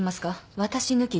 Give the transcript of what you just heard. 私抜きで。